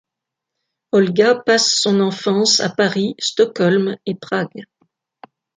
Olga passe son enfance à Paris, Stockholm et Prague.